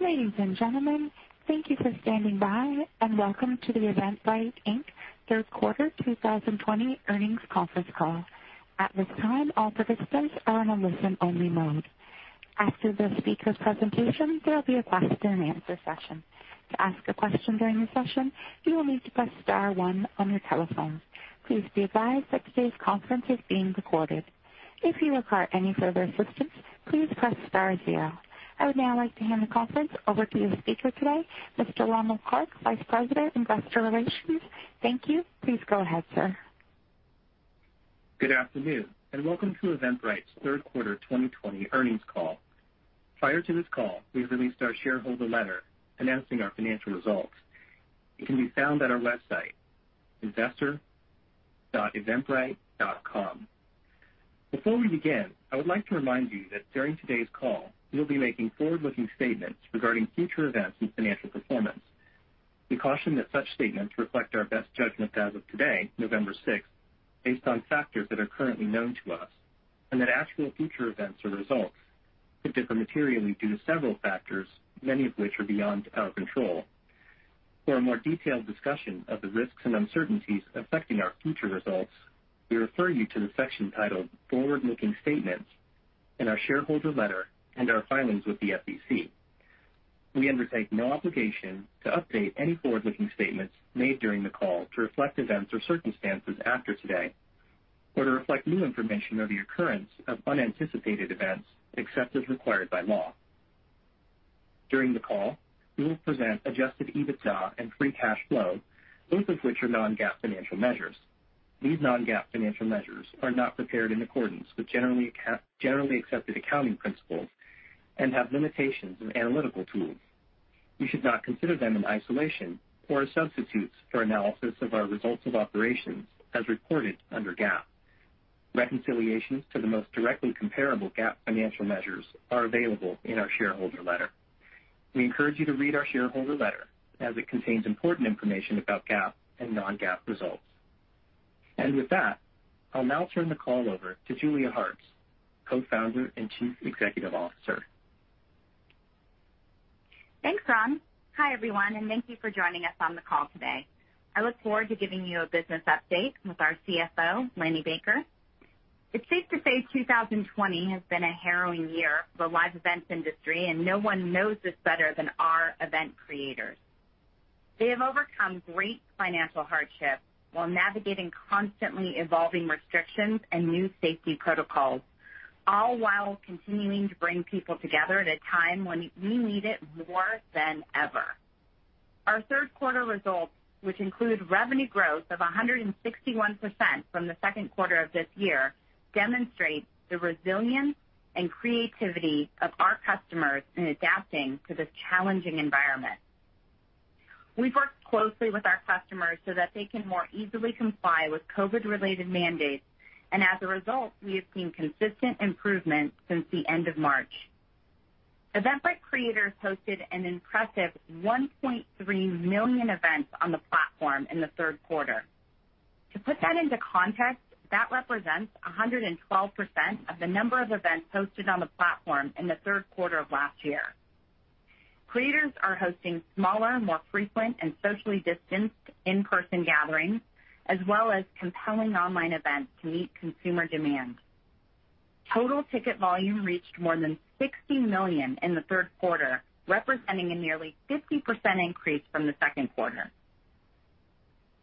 Ladies and gentlemen, thank you for standing by, and welcome to the Eventbrite, Inc. Third Quarter 2020 Earnings Conference Call. At this time, all participants are on a listen-only mode. After the speaker's presentation, there will be a question-and-answer session. To ask a question during the session, you will need to press star one on your telephone. Please be advised that today's conference is being recorded. If you require any further assistance, please press star zero. I would now like to hand the conference over to the speaker today, Mr. Ron Clark, Vice President, Investor Relations. Thank you. Please go ahead, sir. Good afternoon, and welcome to Eventbrite's Third Quarter 2020 earnings call. Prior to this call, we have released our shareholder letter announcing our financial results. It can be found at our website, investor.eventbrite.com. Before we begin, I would like to remind you that during today's call, we will be making forward-looking statements regarding future events and financial performance. We caution that such statements reflect our best judgment as of today, November 6th, based on factors that are currently known to us, and that actual future events or results could differ materially due to several factors, many of which are beyond our control. For a more detailed discussion of the risks and uncertainties affecting our future results, we refer you to the section titled Forward-Looking Statements in our shareholder letter and our filings with the SEC. We undertake no obligation to update any forward-looking statements made during the call to reflect events or circumstances after today, or to reflect new information or the occurrence of unanticipated events except as required by law. During the call, we will present Adjusted EBITDA and Free Cash Flow, both of which are non-GAAP financial measures. These non-GAAP financial measures are not prepared in accordance with generally accepted accounting principles and have limitations as analytical tools. You should not consider them in isolation or as substitutes for analysis of our results of operations as reported under GAAP. Reconciliations to the most directly comparable GAAP financial measures are available in our shareholder letter. We encourage you to read our shareholder letter, as it contains important information about GAAP and non-GAAP results. With that, I'll now turn the call over to Julia Hartz, Co-founder and Chief Executive Officer. Thanks, Ron. Hi, everyone, and thank you for joining us on the call today. I look forward to giving you a business update with our CFO, Lanny Baker. It's safe to say 2020 has been a harrowing year for the live events industry, and no one knows this better than our event creators. They have overcome great financial hardship while navigating constantly evolving restrictions and new safety protocols, all while continuing to bring people together at a time when we need it more than ever. Our third quarter results, which include revenue growth of 161% from the second quarter of this year, demonstrate the resilience and creativity of our customers in adapting to this challenging environment. We've worked closely with our customers so that they can more easily comply with COVID-related mandates, and as a result, we have seen consistent improvement since the end of March. Eventbrite creators hosted an impressive 1.3 million events on the platform in the third quarter. To put that into context, that represents 112% of the number of events hosted on the platform in the third quarter of last year. Creators are hosting smaller, more frequent, and socially distanced in-person gatherings, as well as compelling online events to meet consumer demand. Total ticket volume reached more than 60 million in the third quarter, representing a nearly 50% increase from the second quarter.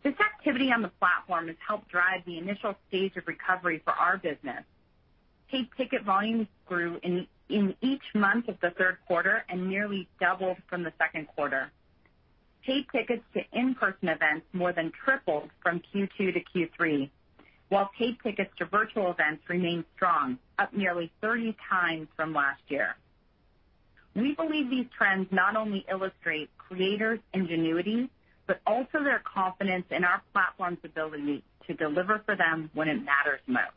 This activity on the platform has helped drive the initial stage of recovery for our business. Paid ticket volumes grew in each month of the third quarter and nearly doubled from the second quarter. Paid tickets to in-person events more than tripled from Q2 to Q3, while paid tickets to virtual events remained strong, up nearly 30x from last year. We believe these trends not only illustrate creators' ingenuity, but also their confidence in our platform's ability to deliver for them when it matters most.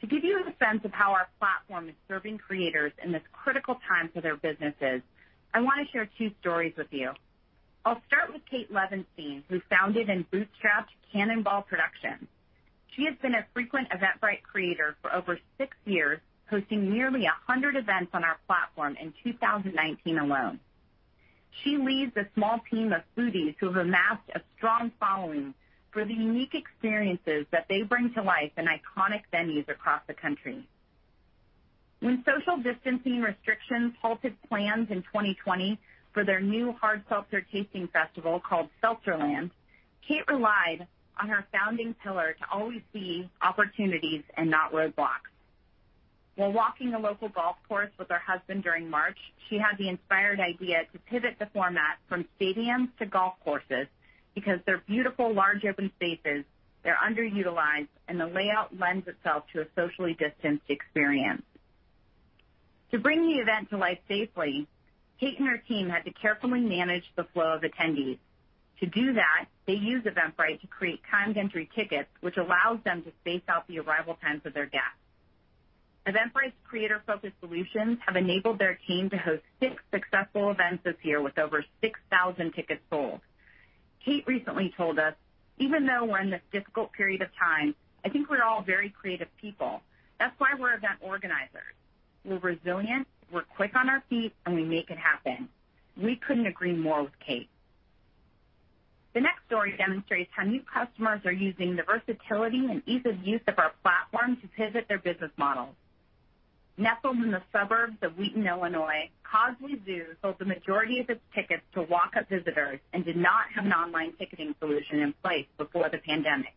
To give you a sense of how our platform is serving creators in this critical time for their businesses, I want to share two stories with you. I'll start with Kate Levenstien, who founded and bootstrapped Cannonball Productions. She has been a frequent Eventbrite creator for over six years, hosting nearly 100 events on our platform in 2019 alone. She leads a small team of foodies who have amassed a strong following for the unique experiences that they bring to life in iconic venues across the country. When social distancing restrictions halted plans in 2020 for their new hard seltzer tasting festival called Seltzerland, Kate relied on her founding pillar to always see opportunities and not roadblocks. While walking a local golf course with her husband during March, she had the inspired idea to pivot the format from stadiums to golf courses because they're beautiful, large open spaces, they're underutilized, and the layout lends itself to a socially distanced experience. To bring the event to life safely, Kate and her team had to carefully manage the flow of attendees. To do that, they used Eventbrite to create time-entry tickets, which allows them to space out the arrival times of their guests. Eventbrite's creator-focused solutions have enabled their team to host six successful events this year with over 6,000 tickets sold. Kate recently told us, "Even though we're in this difficult period of time, I think we're all very creative people. That's why we're event organizers. We're resilient, we're quick on our feet, and we make it happen." We couldn't agree more with Kate. The next story demonstrates how new customers are using the versatility and ease of use of our platform to pivot their business models. Nestled in the suburbs of Wheaton, Illinois, Cosley Zoo sold the majority of its tickets to walk-up visitors and did not have an online ticketing solution in place before the pandemic.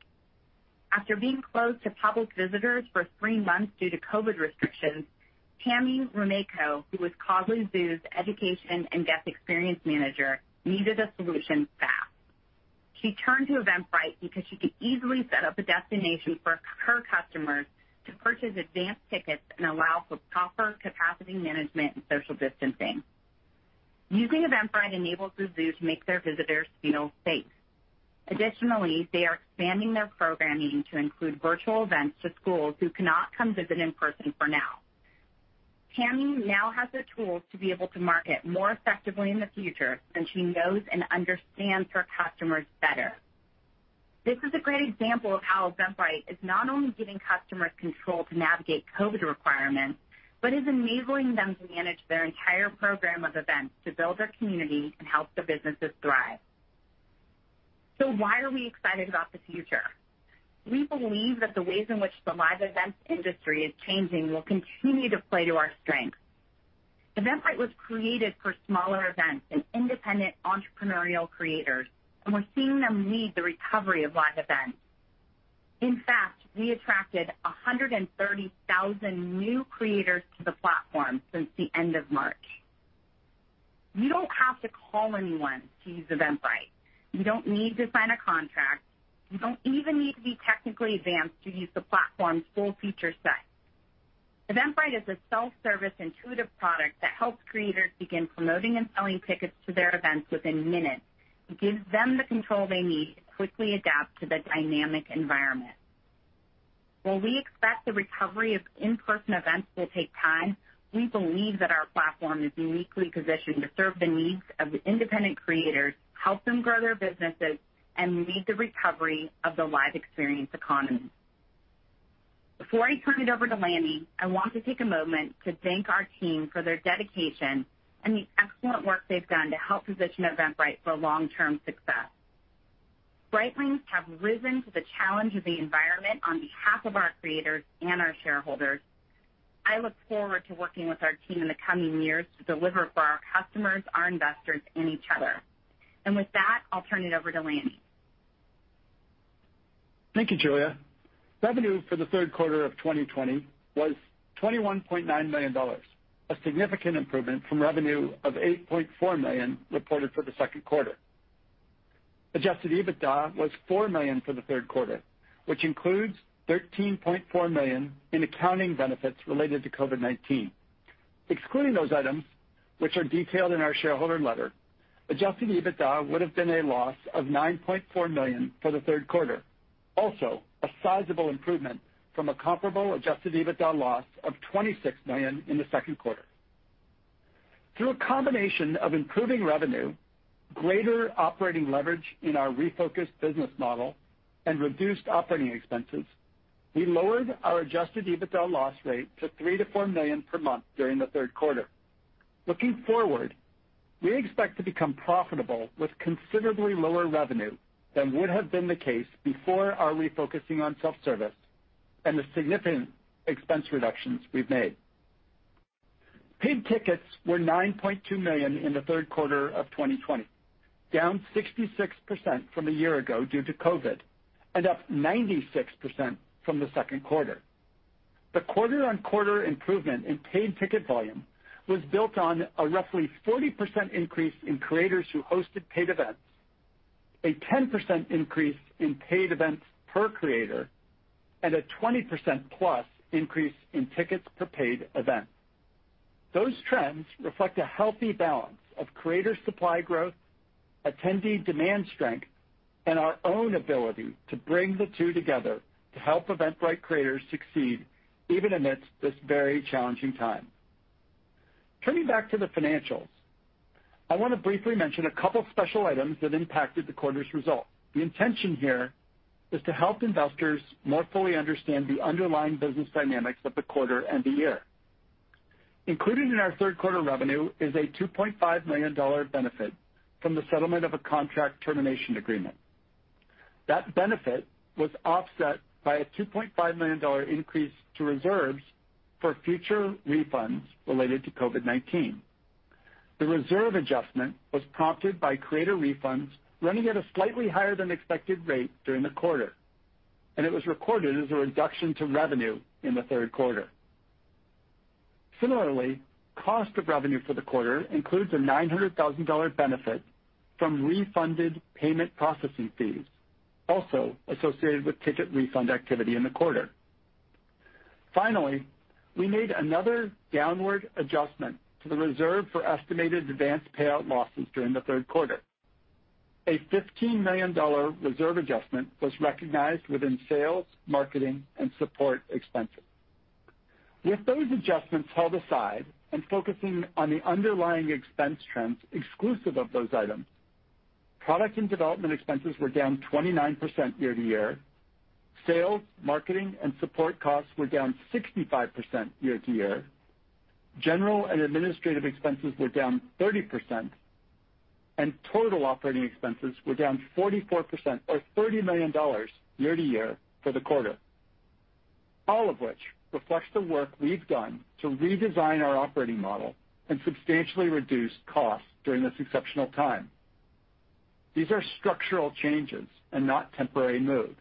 After being closed to public visitors for three months due to COVID restrictions, Tami Romejko, who was Cosley Zoo's education and guest experience manager, needed a solution fast. She turned to Eventbrite because she could easily set up a destination for her customers to purchase advance tickets and allow for proper capacity management and social distancing. Using Eventbrite enables the Zoo to make their visitors feel safe. Additionally, they are expanding their programming to include virtual events to schools who cannot come visit in person for now. Tammi now has the tools to be able to market more effectively in the future, and she knows and understands her customers better. This is a great example of how Eventbrite is not only giving customers control to navigate COVID requirements, but is enabling them to manage their entire program of events to build their community and help their businesses thrive. So why are we excited about the future? We believe that the ways in which the live events industry is changing will continue to play to our strengths. Eventbrite was created for smaller events and independent entrepreneurial creators, and we're seeing them lead the recovery of live events. In fact, we attracted 130,000 new creators to the platform since the end of March. You don't have to call anyone to use Eventbrite. You don't need to sign a contract. You don't even need to be technically advanced to use the platform's full feature set. Eventbrite is a self-service, intuitive product that helps creators begin promoting and selling tickets to their events within minutes. It gives them the control they need to quickly adapt to the dynamic environment. While we expect the recovery of in-person events will take time, we believe that our platform is uniquely positioned to serve the needs of independent creators, help them grow their businesses, and lead the recovery of the live experience economy. Before I turn it over to Lanny, I want to take a moment to thank our team for their dedication and the excellent work they've done to help position Eventbrite for long-term success. Britelings have risen to the challenge of the environment on behalf of our creators and our shareholders. I look forward to working with our team in the coming years to deliver for our customers, our investors, and each other. And with that, I'll turn it over to Lanny. Thank you, Julia. Revenue for the third quarter of 2020 was $21.9 million, a significant improvement from revenue of $8.4 million reported for the second quarter. Adjusted EBITDA was $4 million for the third quarter, which includes $13.4 million in accounting benefits related to COVID-19. Excluding those items, which are detailed in our shareholder letter, adjusted EBITDA would have been a loss of $9.4 million for the third quarter, also a sizable improvement from a comparable adjusted EBITDA loss of $26 million in the second quarter. Through a combination of improving revenue, greater operating leverage in our refocused business model, and reduced operating expenses, we lowered our adjusted EBITDA loss rate to $3 million-$4 million per month during the third quarter. Looking forward, we expect to become profitable with considerably lower revenue than would have been the case before our refocusing on self-service and the significant expense reductions we've made. Paid tickets were $9.2 million in the third quarter of 2020, down 66% from a year ago due to COVID, and up 96% from the second quarter. The quarter-on-quarter improvement in paid ticket volume was built on a roughly 40% increase in creators who hosted paid events, a 10% increase in paid events per creator, and a 20%+ increase in tickets per paid event. Those trends reflect a healthy balance of creator supply growth, attendee demand strength, and our own ability to bring the two together to help Eventbrite creators succeed even amidst this very challenging time. Turning back to the financials, I want to briefly mention a couple of special items that impacted the quarter's results. The intention here is to help investors more fully understand the underlying business dynamics of the quarter and the year. Included in our third quarter revenue is a $2.5 million benefit from the settlement of a contract termination agreement. That benefit was offset by a $2.5 million increase to reserves for future refunds related to COVID-19. The reserve adjustment was prompted by creator refunds running at a slightly higher than expected rate during the quarter, and it was recorded as a reduction to revenue in the third quarter. Similarly, cost of revenue for the quarter includes a $900,000 benefit from refunded payment processing fees, also associated with ticket refund activity in the quarter. Finally, we made another downward adjustment to the reserve for estimated advance payout losses during the third quarter. A $15 million reserve adjustment was recognized within sales, marketing, and support expenses. With those adjustments held aside and focusing on the underlying expense trends exclusive of those items, product and development expenses were down 29% year-to-year, sales marketing and support costs were down 65% year-to-year, general and administrative expenses were down 30%, and total operating expenses were down 44%, or $30 million year-to-year for the quarter, all of which reflects the work we've done to redesign our operating model and substantially reduce costs during this exceptional time. These are structural changes and not temporary moves,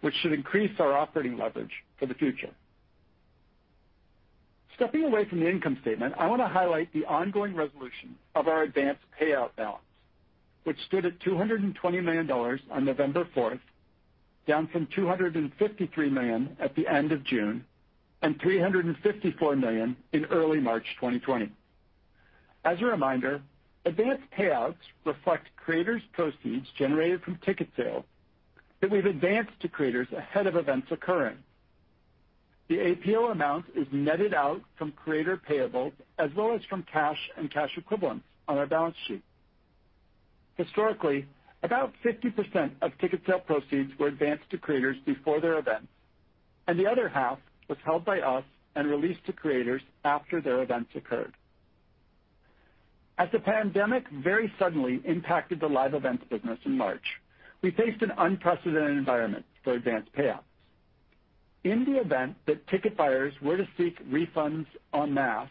which should increase our operating leverage for the future. Stepping away from the income statement, I want to highlight the ongoing resolution of our advance payout balance, which stood at $220 million on November 4th, down from $253 million at the end of June and $354 million in early March 2020. As a reminder, advance payouts reflect creators' proceeds generated from ticket sales that we've advanced to creators ahead of events occurring. The APO amount is netted out from creator payables as well as from cash and cash equivalents on our balance sheet. Historically, about 50% of ticket sale proceeds were advanced to creators before their events, and the other half was held by us and released to creators after their events occurred. As the pandemic very suddenly impacted the live events business in March, we faced an unprecedented environment for advance payouts. In the event that ticket buyers were to seek refunds en masse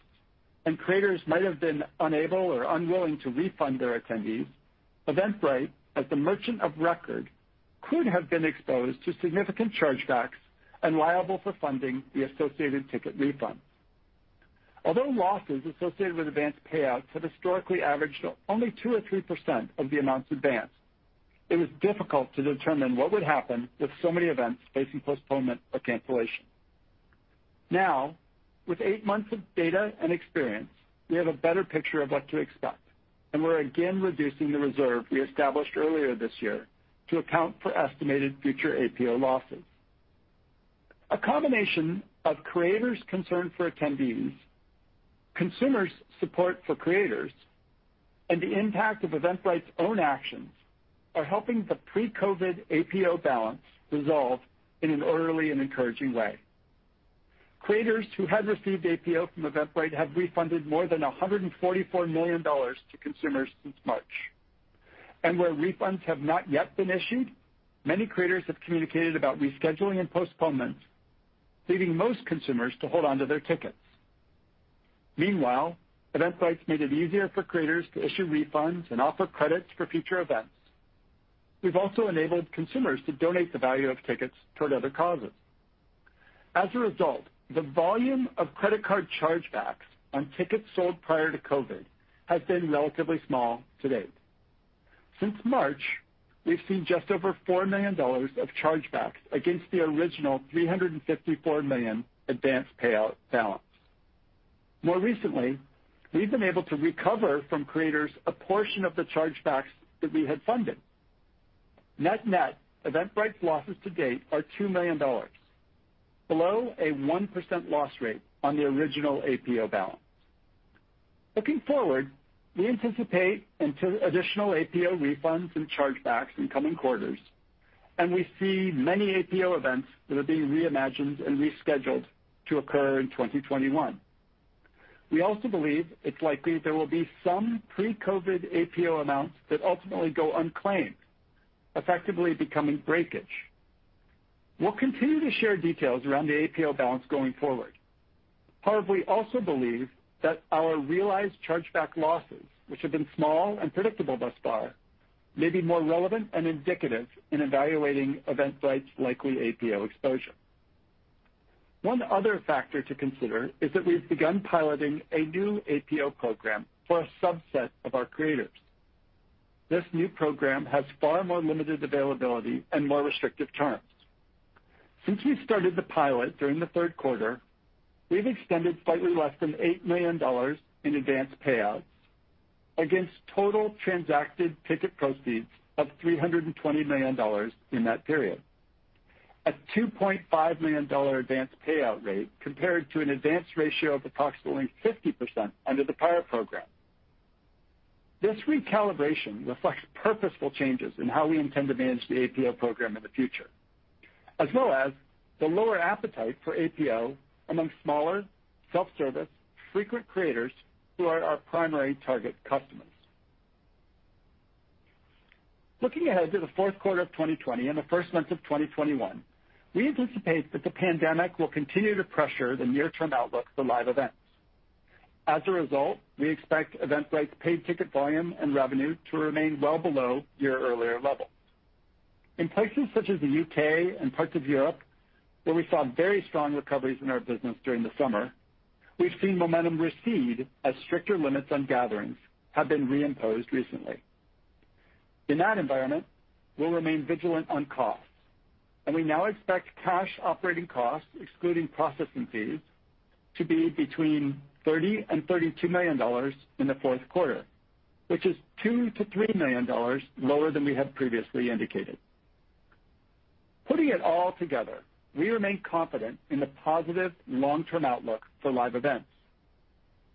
and creators might have been unable or unwilling to refund their attendees, Eventbrite, as the merchant of record, could have been exposed to significant chargebacks and liable for funding the associated ticket refunds. Although losses associated with advance payouts have historically averaged only 2% or 3% of the amounts advanced, it was difficult to determine what would happen with so many events facing postponement or cancellation. Now, with eight months of data and experience, we have a better picture of what to expect, and we're again reducing the reserve we established earlier this year to account for estimated future APO losses. A combination of creators' concern for attendees, consumers' support for creators, and the impact of Eventbrite's own actions are helping the pre-COVID APO balance resolve in an orderly and encouraging way. Creators who had received APO from Eventbrite have refunded more than $144 million to consumers since March, and where refunds have not yet been issued, many creators have communicated about rescheduling and postponement, leading most consumers to hold on to their tickets. Meanwhile, Eventbrite's made it easier for creators to issue refunds and offer credits for future events. We've also enabled consumers to donate the value of tickets toward other causes. As a result, the volume of credit card chargebacks on tickets sold prior to COVID has been relatively small to date. Since March, we've seen just over $4 million of chargebacks against the original $354 million advance payout balance. More recently, we've been able to recover from creators a portion of the chargebacks that we had funded. Net-net, Eventbrite's losses to date are $2 million, below a 1% loss rate on the original APO balance. Looking forward, we anticipate additional APO refunds and chargebacks in coming quarters, and we see many APO events that are being reimagined and rescheduled to occur in 2021. We also believe it's likely there will be some pre-COVID APO amounts that ultimately go unclaimed, effectively becoming breakage. We'll continue to share details around the APO balance going forward. However, we also believe that our realized chargeback losses, which have been small and predictable thus far, may be more relevant and indicative in evaluating Eventbrite's likely APO exposure. One other factor to consider is that we've begun piloting a new APO program for a subset of our creators. This new program has far more limited availability and more restrictive terms. Since we started the pilot during the third quarter, we've extended slightly less than $8 million in advance payouts against total transacted ticket proceeds of $320 million in that period, a 2.5% advance payout rate compared to an advance ratio of approximately 50% under the prior program. This recalibration reflects purposeful changes in how we intend to manage the APO program in the future, as well as the lower appetite for APO among smaller, self-service, frequent creators who are our primary target customers. Looking ahead to the fourth quarter of 2020 and the first months of 2021, we anticipate that the pandemic will continue to pressure the near-term outlook for live events. As a result, we expect Eventbrite's paid ticket volume and revenue to remain well below year-earlier levels. In places such as the U.K. and parts of Europe where we saw very strong recoveries in our business during the summer, we've seen momentum recede as stricter limits on gatherings have been reimposed recently. In that environment, we'll remain vigilant on costs, and we now expect cash operating costs, excluding processing fees, to be between $30 and $32 million in the fourth quarter, which is $2 million-$3 million lower than we had previously indicated. Putting it all together, we remain confident in the positive long-term outlook for live events.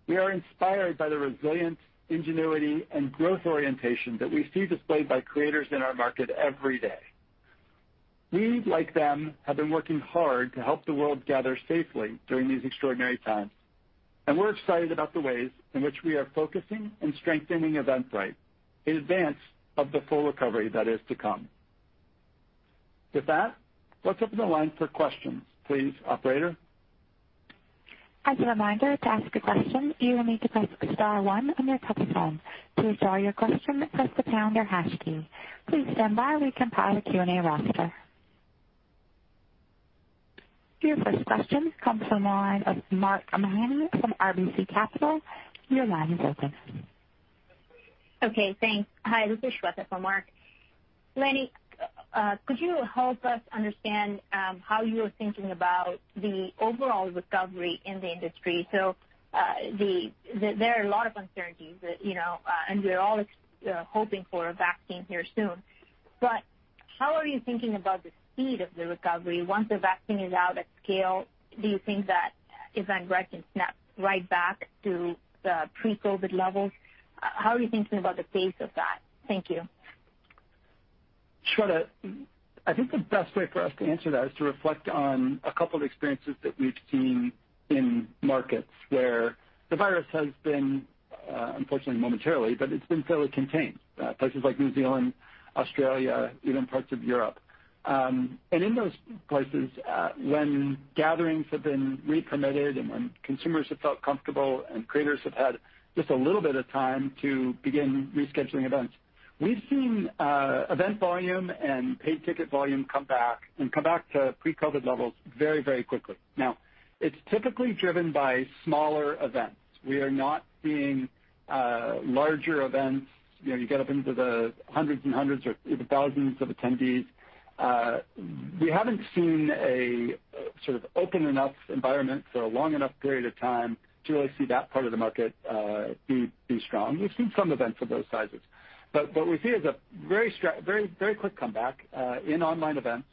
We are inspired by the resilience, ingenuity, and growth orientation that we see displayed by creators in our market every day. We, like them, have been working hard to help the world gather safely during these extraordinary times, and we're excited about the ways in which we are focusing and strengthening Eventbrite in advance of the full recovery that is to come. With that, let's open the line for questions. Please, operator. As a reminder, to ask a question, you will need to press star one on your touch-tone phone. To start your question, press the pound or hash key. Please stand by while we compile a Q&A roster. Your first question comes from the line of Mark Mahaney from RBC Capital. Your line is open. Okay. Thanks. Hi. This is Shweta from Mark. Lanny, could you help us understand how you are thinking about the overall recovery in the industry? So there are a lot of uncertainties, and we're all hoping for a vaccine here soon. But how are you thinking about the speed of the recovery once the vaccine is out at scale? Do you think that Eventbrite can snap right back to pre-COVID levels? How are you thinking about the pace of that? Thank you. Shweta, I think the best way for us to answer that is to reflect on a couple of experiences that we've seen in markets where the virus has been, unfortunately, momentarily, but it's been fairly contained, places like New Zealand, Australia, even parts of Europe, and in those places, when gatherings have been repermitted and when consumers have felt comfortable and creators have had just a little bit of time to begin rescheduling events, we've seen event volume and paid ticket volume come back and come back to pre-COVID levels very, very quickly. Now, it's typically driven by smaller events. We are not seeing larger events. You get up into the hundreds and hundreds or even thousands of attendees. We haven't seen a sort of open enough environment for a long enough period of time to really see that part of the market be strong. We've seen some events of those sizes. But what we see is a very quick comeback in online events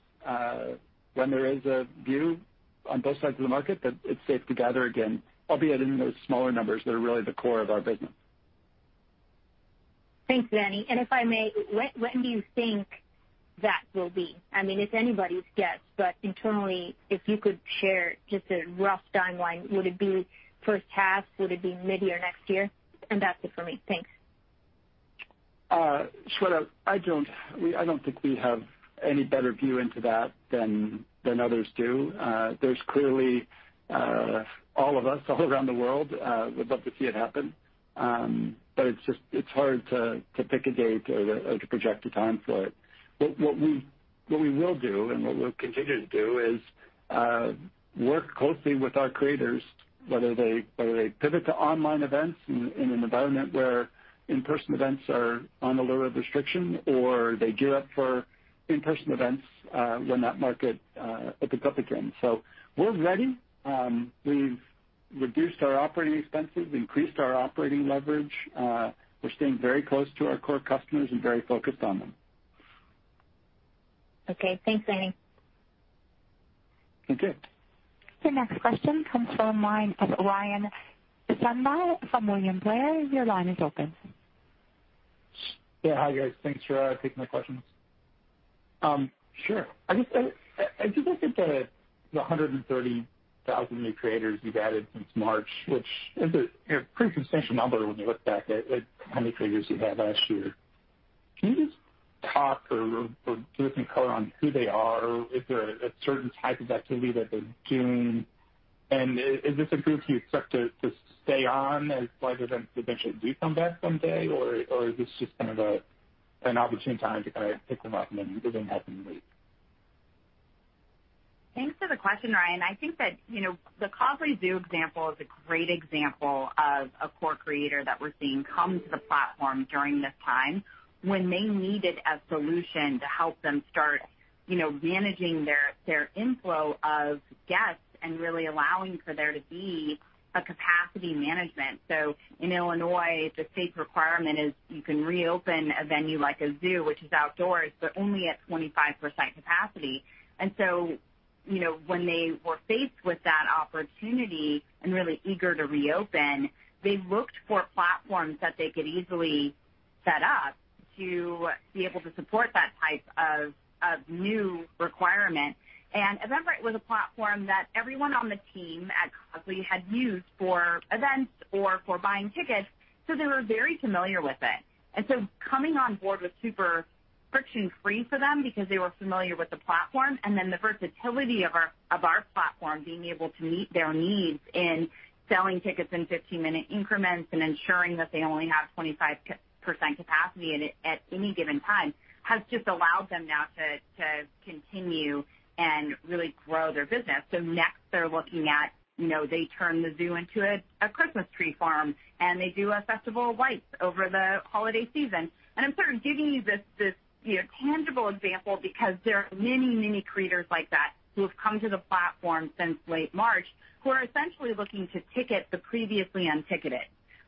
when there is a view on both sides of the market that it's safe to gather again, albeit in those smaller numbers that are really the core of our business. Thanks, Lanny. And if I may, when do you think that will be? I mean, it's anybody's guess, but internally, if you could share just a rough timeline, would it be first half? Would it be mid-year next year? And that's it for me. Thanks. Shweta, I don't think we have any better view into that than others do. There's clearly all of us all around the world would love to see it happen, but it's hard to pick a date or to project a time for it. What we will do and what we'll continue to do is work closely with our creators, whether they pivot to online events in an environment where in-person events are on the lower of restriction or they gear up for in-person events when that market opens up again. So we're ready. We've reduced our operating expenses, increased our operating leverage. We're staying very close to our core customers and very focused on them. Okay. Thanks, Lanny. Thank you. The next question comes from Ryan Sundby, from William Blair, your line is open. Yeah. Hi, guys. Thanks for taking my questions. Sure. I just looked at the 130,000 new creators you've added since March, which is a pretty substantial number when you look back at how many creators you had last year. Can you just talk or give us some color on who they are? Is there a certain type of activity that they're doing? And is this a group you expect to stay on as live events eventually do come back someday, or is this just kind of an opportune time to kind of pick them up and then have them leave? Thanks for the question, Ryan. I think that the Cosley Zoo example is a great example of a core creator that we're seeing come to the platform during this time when they needed a solution to help them start managing their inflow of guests and really allowing for there to be a capacity management. So in Illinois, the state requirement is you can reopen a venue like a zoo, which is outdoors, but only at 25% capacity. And so when they were faced with that opportunity and really eager to reopen, they looked for platforms that they could easily set up to be able to support that type of new requirement. And Eventbrite was a platform that everyone on the team at Cosley Zoo had used for events or for buying tickets, so they were very familiar with it. Coming on board was super friction-free for them because they were familiar with the platform and then the versatility of our platform, being able to meet their needs in selling tickets in 15-minute increments and ensuring that they only have 25% capacity at any given time has just allowed them now to continue and really grow their business. Next, they're looking at they turn the zoo into a Christmas tree farm, and they do a festival of lights over the holiday season. I'm sort of giving you this tangible example because there are many, many creators like that who have come to the platform since late March who are essentially looking to ticket the previously unticketed,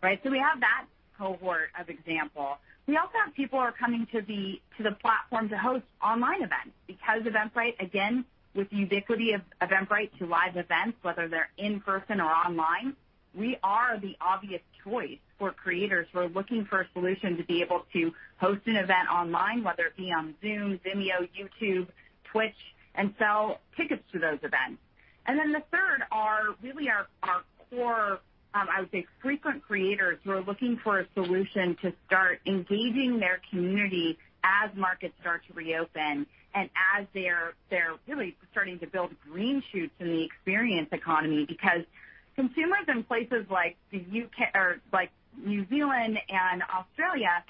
right? We have that cohort of example. We also have people who are coming to the platform to host online events because Eventbrite, again, with the ubiquity of Eventbrite to live events, whether they're in person or online, we are the obvious choice for creators who are looking for a solution to be able to host an event online, whether it be on Zoom, Vimeo, YouTube, Twitch, and sell tickets to those events, and then the third are really our core, I would say, frequent creators who are looking for a solution to start engaging their community as markets start to reopen and as they're really starting to build green shoots in the experience economy because consumers in places like New Zealand and Australia,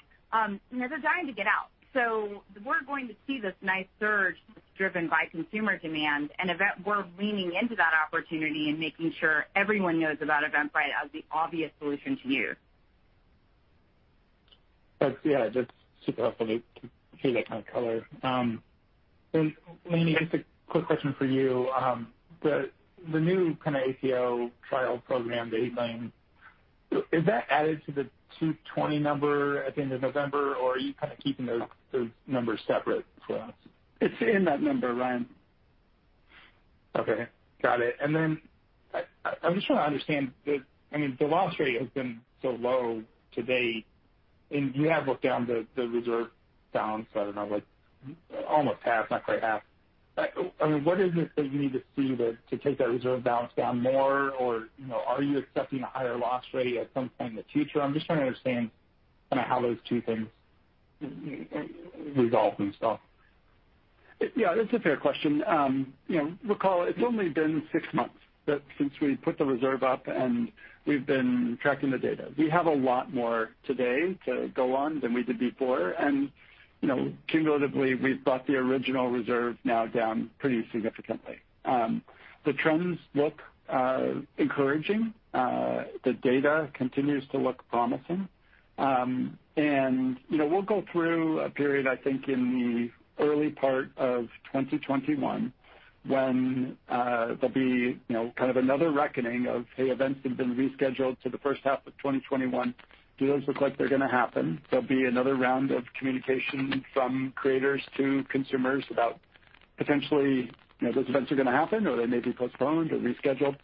they're dying to get out. So we're going to see this nice surge that's driven by consumer demand, and we're leaning into that opportunity and making sure everyone knows about Eventbrite as the obvious solution to use. That's, yeah, that's super helpful to hear that kind of color. And Lanny, just a quick question for you. The new kind of APO trial program that he's running, is that added to the 220 number at the end of November, or are you kind of keeping those numbers separate for us? It's in that number, Ryan. Okay. Got it. And then I'm just trying to understand, I mean, the loss rate has been so low to date, and you have looked down the reserve balance, I don't know, like almost half, not quite half. I mean, what is it that you need to see to take that reserve balance down more, or are you expecting a higher loss rate at some point in the future? I'm just trying to understand kind of how those two things resolve themselves? Yeah, that's a fair question. Recall, it's only been six months since we put the reserve up, and we've been tracking the data. We have a lot more today to go on than we did before, and cumulatively, we've brought the original reserve now down pretty significantly. The trends look encouraging. The data continues to look promising. And we'll go through a period, I think, in the early part of 2021 when there'll be kind of another reckoning of, "Hey, events have been rescheduled to the first half of 2021. Do those look like they're going to happen?" There'll be another round of communication from creators to consumers about potentially those events are going to happen or they may be postponed or rescheduled.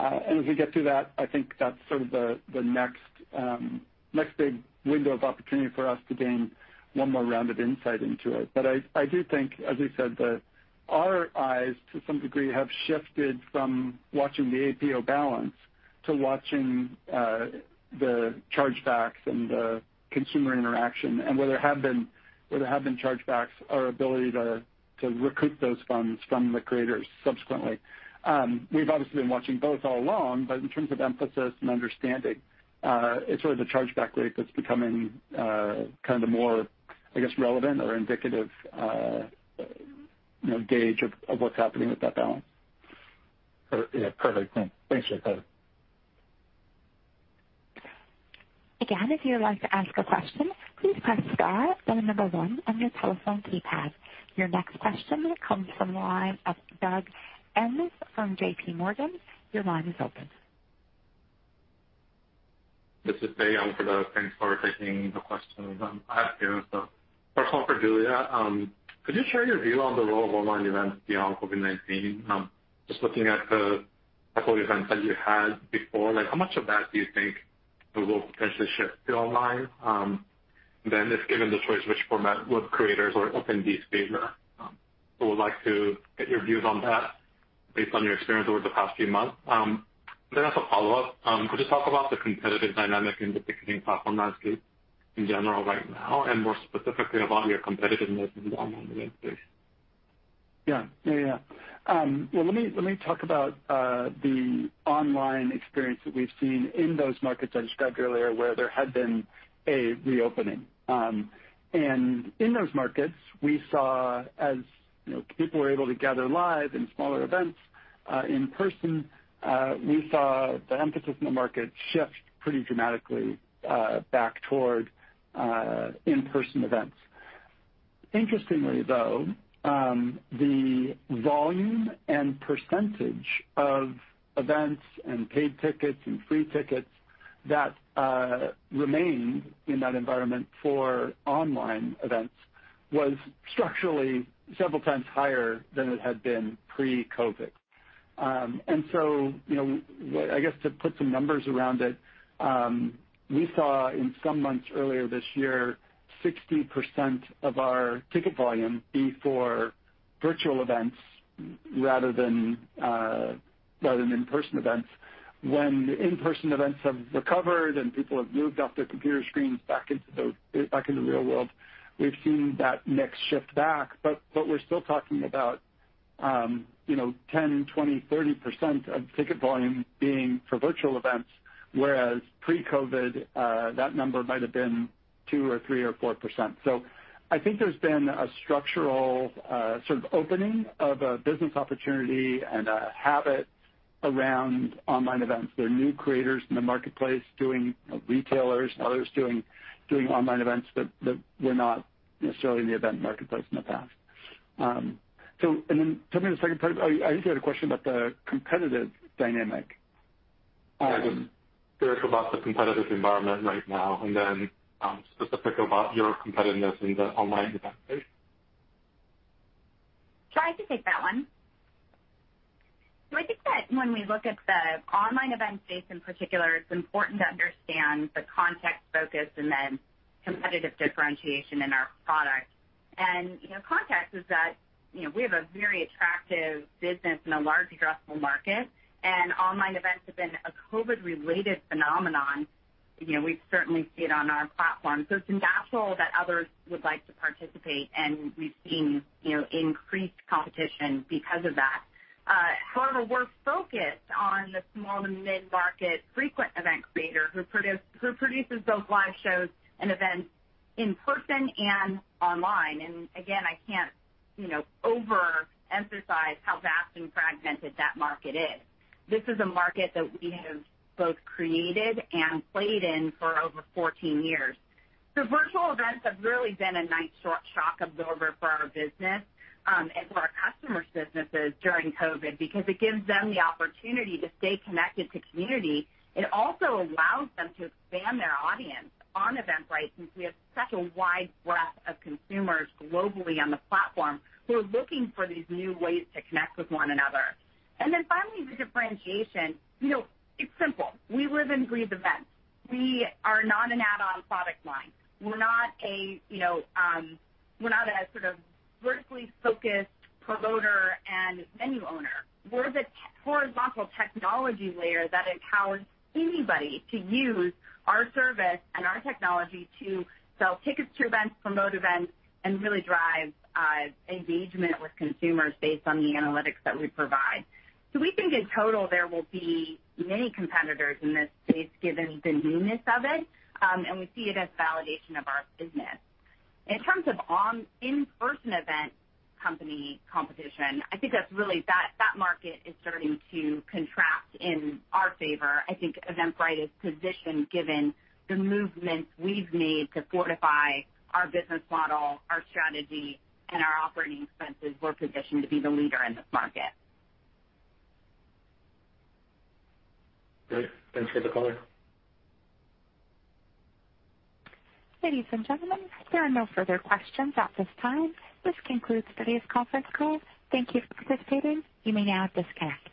As we get through that, I think that's sort of the next big window of opportunity for us to gain one more round of insight into it. I do think, as we said, our eyes to some degree have shifted from watching the APO balance to watching the chargebacks and the consumer interaction, and where there have been chargebacks, our ability to recoup those funds from the creators subsequently. We've obviously been watching both all along, but in terms of emphasis and understanding, it's sort of the chargeback rate that's becoming kind of the more, I guess, relevant or indicative gauge of what's happening with that balance. Perfect. Thanks,. Again, if you'd like to ask a question, please press star then the number one on your telephone keypad. Your next question comes from the line of Doug Anmuth from J.P. Morgan. Your line is open. This is Dae for Doug. Thanks for taking the questions. I have two. So, first one for Julia. Could you share your view on the role of online events beyond COVID-19? Just looking at the couple of events that you had before, how much of that do you think will potentially shift to online? Then, if given the choice, which format would creators or attendees favor? So, we'd like to get your views on that based on your experience over the past few months. Then, as a follow-up, could you talk about the competitive dynamic in the ticketing platform landscape in general right now and more specifically about your competitiveness in the online event space? Yeah. Yeah, yeah. Well, let me talk about the online experience that we've seen in those markets I described earlier where there had been a reopening. And in those markets, we saw as people were able to gather live in smaller events in person, we saw the emphasis in the market shift pretty dramatically back toward in-person events. Interestingly, though, the volume and percentage of events and paid tickets and free tickets that remained in that environment for online events was structurally several times higher than it had been pre-COVID. And so I guess to put some numbers around it, we saw in some months earlier this year, 60% of our ticket volume be for virtual events rather than in-person events. When in-person events have recovered and people have moved off their computer screens back into the real world, we've seen that mix shift back, but we're still talking about 10%, 20%, 30% of ticket volume being for virtual events, whereas pre-COVID, that number might have been 2% or 3% or 4%. So I think there's been a structural sort of opening of a business opportunity and a habit around online events. There are new creators in the marketplace doing retailers and others doing online events that were not necessarily in the event marketplace in the past. And then tell me the second part. I think you had a question about the competitive dynamic. Yeah. Just about the competitive environment right now and then specific about your competitiveness in the online event space. Try to take that one. So I think that when we look at the online event space in particular, it's important to understand the context, focus, and then competitive differentiation in our product. And context is that we have a very attractive business in a large addressable market, and online events have been a COVID-related phenomenon. We certainly see it on our platform. So it's natural that others would like to participate, and we've seen increased competition because of that. However, we're focused on the small to mid-market frequent event creator who produces both live shows and events in person and online. And again, I can't overemphasize how vast and fragmented that market is. This is a market that we have both created and played in for over 14 years. Virtual events have really been a nice sort of shock absorber for our business and for our customers' businesses during COVID because it gives them the opportunity to stay connected to community. It also allows them to expand their audience on Eventbrite since we have such a wide breadth of consumers globally on the platform who are looking for these new ways to connect with one another. And then finally, the differentiation. It's simple. We live and breathe events. We are not an add-on product line. We're not a sort of vertically focused promoter and venue owner. We're the horizontal technology layer that empowers anybody to use our service and our technology to sell tickets to events, promote events, and really drive engagement with consumers based on the analytics that we provide. So we think in total, there will be many competitors in this space given the newness of it, and we see it as validation of our business. In terms of in-person event company competition, I think that's really the market is starting to contract in our favor. I think Eventbrite is positioned given the movements we've made to fortify our business model, our strategy, and our operating expenses. We're positioned to be the leader in this market. Great. Thanks for the call. Ladies and gentlemen, there are no further questions at this time. This concludes today's conference call. Thank you for participating. You may now disconnect.